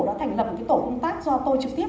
đã thành lập tổ công tác do tôi trực tiếp